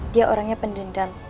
dia orangnya pendendam